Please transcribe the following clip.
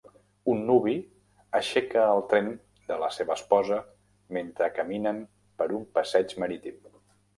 Un nuvi aixeca el tren de la seva esposa mentre caminen per un passeig marítim.